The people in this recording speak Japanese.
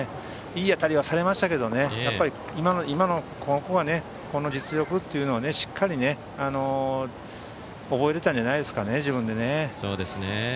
いい当たりはされましたけど今のこの実力というのはしっかり覚えられたんじゃないですかね、自分でね。